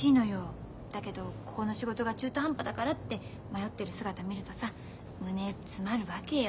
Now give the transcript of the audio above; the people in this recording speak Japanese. だけどここの仕事が中途半端だからって迷ってる姿見るとさ胸詰まるわけよ。